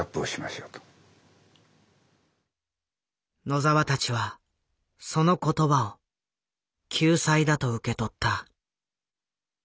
野澤たちはその言葉を救済だと受け取った。